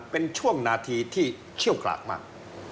เป็นช่วงนาทีที่เชี่ยวกรากมาก